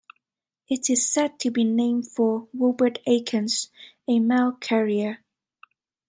It is said to be named for Robert Akins, a mail carrier.